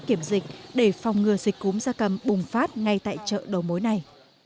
kiểm dịch để phòng ngừa dịch cúm gia cầm bùng phát ngay tại chợ đầu mối này